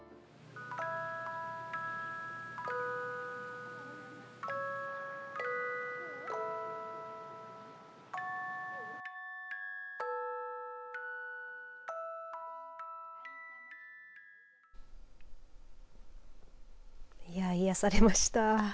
いや、癒やされました。